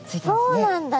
あっそうなんだ。